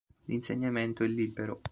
L'insegnamento è libero.